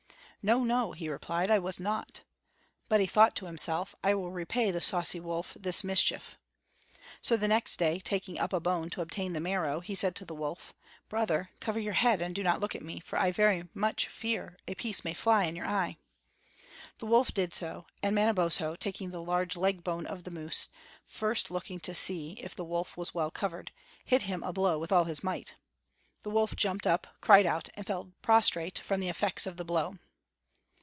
"No, no," he replied again, "I was not." But he thought to himself, "I will repay the saucy wolf this mischief." So the next day, taking up a bone to obtain the marrow, he said to the wolf: "Brother, cover your head and do not look at me, for I very much fear a piece may fly in your eye." The wolf did so; and Manabozho, taking the large leg bone of the moose, first looking to see if the wolf was well covered, hit him a blow with all his might. The wolf jumped up, cried out, and fell prostrate from the effects of the blow.